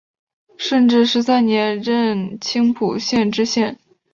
顺治十三年任青浦县知县。